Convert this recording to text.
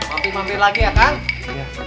mampir mampir lagi ya kak